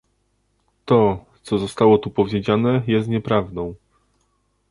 To, co zostało tu powiedziane, jest nieprawdą